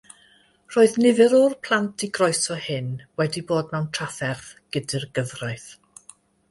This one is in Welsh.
Roedd nifer o'r plant digroeso hyn wedi bod mewn trafferth gyda'r gyfraith.